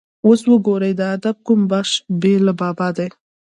اوس وګورئ د ادب کوم بخش بې له بابا دی.